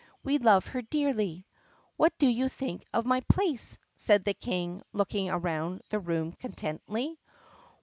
We love her dearly." "What do you think of my place*?" said the King looking around the room contentedly.